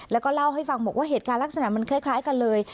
แล้วก็เล่าให้ฟังบอกว่าเหตุการณ์ลักษณะมันคล้ายกันเลย